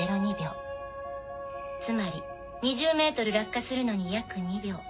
つまり２０ｍ落下するのに約２秒。